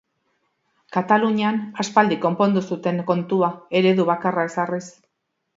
Katalunian aspaldian konpondu zuten kontua eredu bakarra ezarriz.